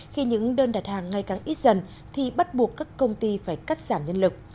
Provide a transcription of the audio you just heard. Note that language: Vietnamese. khi những đơn đặt hàng ngày càng ít dần thì bắt buộc các công ty phải cắt giảm nhân lực